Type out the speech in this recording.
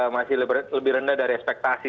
masih lebih rendah dari ekspektasi